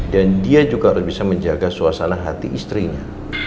dan dia juga harus bisa menjaga suasana hati istrinya